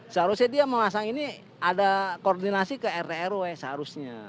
seharusnya dia memasang ini ada koordinasi ke rt rw seharusnya